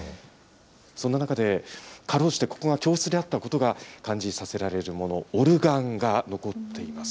そんな中で、かろうじてここが教室であったことが感じさせられるもの、オルガンが残っています。